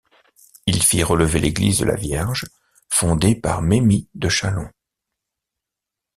Il fit relever l’église de la Vierge fondée par Memmie de Châlons.